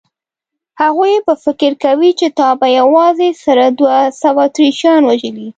هغوی به فکر کوي چې تا په یوازې سره دوه سوه اتریشیان وژلي.